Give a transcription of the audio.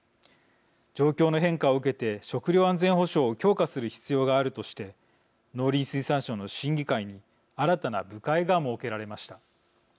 状況の変化を受けて食料安全保障を強化する必要があるとして農林水産省の審議会に新たな部会が設けられました。